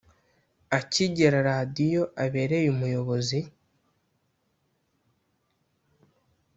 Akigera radiyo abereye umuyobozi